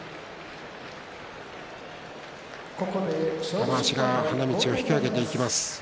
玉鷲が花道を引き揚げていきます。